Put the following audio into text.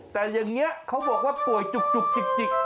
แต่อย่างนี้เขาบอกว่าป่วยจุกจิก